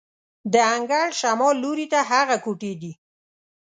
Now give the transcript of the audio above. د انګړ شمال لوري ته هغه کوټې دي.